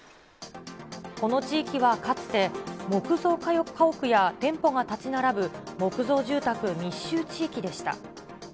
この地域はかつて、木造家屋や店舗が建ち並ぶ木造住宅密集地域でした。